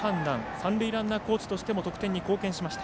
三塁ランナーコーチとしても得点に貢献しました。